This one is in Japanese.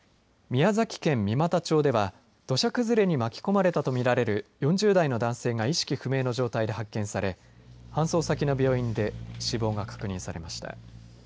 宮崎県三股町では土砂崩れに巻き込まれたと見られる４０代の男性が意識不明の重体で発見され搬送先の病院で死亡が確認されました。